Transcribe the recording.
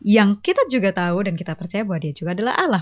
yang kita juga tahu dan kita percaya bahwa dia juga adalah allah